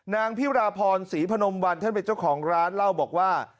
นางพิราพรศรีพนมวันท่านเป็นเจ้าของร้านเล่าบอกว่า